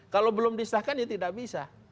kalau belum disahkan ya tidak bisa